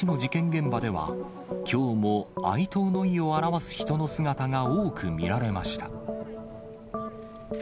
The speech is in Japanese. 現場では、きょうも哀悼の意を表す人の姿が多く見られました。